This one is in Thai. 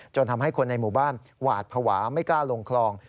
ทำให้คนในหมู่บ้านหวาดภาวะไม่กล้าลงคลอง